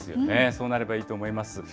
そうなればいいと思います。